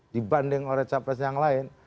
dibanding oleh capres yang lain